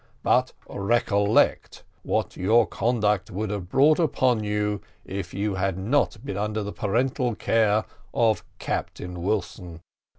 But recollect, what would your conduct have brought upon you if you had not been under the parental care of Captain Wilson?